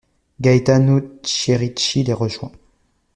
Gaetano Chierici les rejoint.